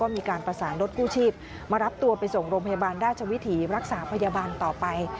มารับตัวไปส่งโรงพยาบาลราชวิถีรักษาพยาบาลต่อไป